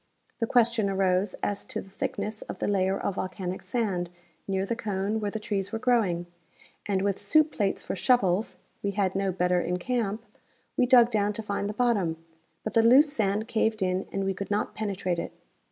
The question arose as to the thickness of the layer of volcanic sand near the cone where the trees were growing ; and Avith soup plates for shovels (we had no better in camp) we dug down to find the bottom, but the loose sand caved in and we could not penetrate it.